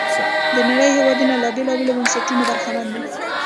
د نړۍ هېوادونه له بېلابېلو بنسټونو برخمن دي.